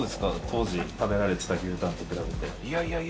当時食べてた牛タンと比べて。